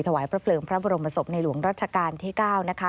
ถวายพระเพลิงพระบรมศพในหลวงรัชกาลที่๙นะคะ